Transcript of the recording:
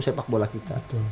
sepak bola kita